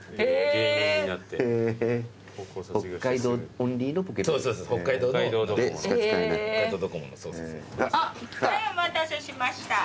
はいお待たせしました。